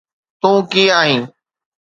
تون ڪيئن آهين؟